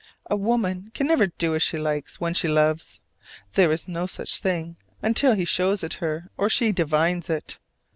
A woman can never do as she likes when she loves there is no such thing until he shows it her or she divines it.